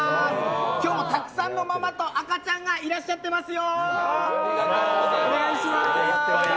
今日もたくさんのママと赤ちゃんがいらっしゃってますよ。